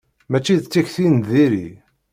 Mačči d tikti n diri.